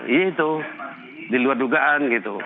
iya itu diluar dugaan gitu